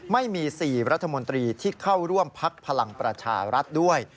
ไม่มี๔รัฐมนตรีที่เข้าร่วมพักพลังประชารัฐด้วย